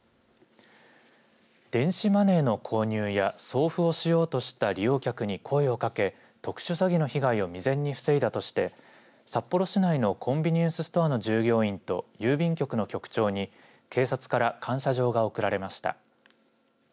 電子マネーの購入や送付をしようとした利用客に声をかけ特殊詐欺の被害を未然に防いだとして札幌市内のコンビニエンスストアの従業員と郵便局の局長に警察から感謝状が贈られました。